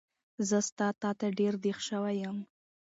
زه ستا تاته ډېر دیغ شوی یم